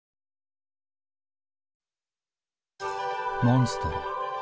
モンストロ。